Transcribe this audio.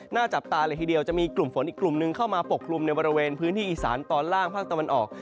หน้าจับตาเลยทีเดียวจะมีกลุ่มฝนอีกกลุ่มนึงเข้ามาปกคลุมในบริเวณพื้นที่อีสานตอนล่างภาคตะวันออก